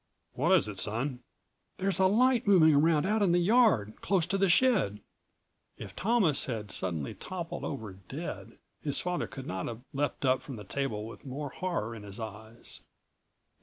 "What is it, son?" "There's a light moving around out in the yard, close to the shed." If Thomas had suddenly toppled over dead his father could not have leapt up from the table with more horror in his eyes.